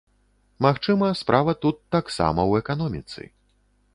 Магчыма, справа тут таксама ў эканоміцы.